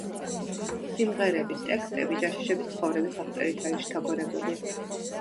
სიმღერების ტექსტები ჯაშუშების ცხოვრების აღწერით არის შთაგონებული.